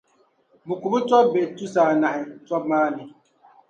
bɛ ku bɛ tɔbbihi tusa anahi tɔb’ maa ni.